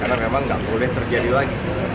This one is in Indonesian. karena memang tidak boleh terjadi lagi